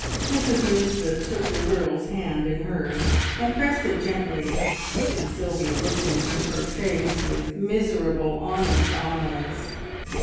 Mrs Nisbet took the girl's hand in hers and pressed it gently, and Sylvia looked into her face with miserable, honest eyes.